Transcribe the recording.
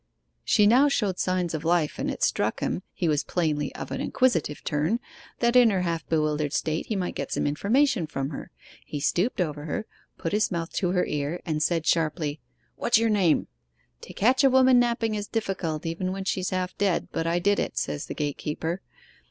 'She now showed signs of life, and it struck him (he was plainly of an inquisitive turn), that in her half bewildered state he might get some information from her. He stooped over her, put his mouth to her ear, and said sharply, "What's your name?" "To catch a woman napping is difficult, even when she's half dead; but I did it," says the gatekeeper.